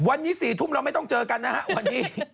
วันนี้๔ทุ่มเราไม่ต้องเจอกันนะฮะวันนี้